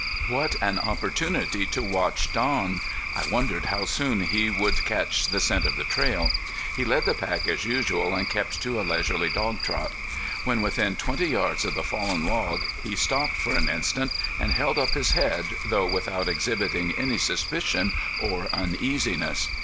What an opportunity to watch Don! I wondered how soon he would catch the scent of the trail. He led the pack as usual and kept to a leisurely dog trot. When within twenty yards of the fallen log, he stopped for an instant and held up his head, though without exhibiting any suspicion or uneasiness.